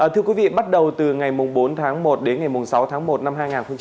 thưa quý vị bắt đầu từ ngày bốn tháng một đến ngày sáu tháng một năm hai nghìn hai mươi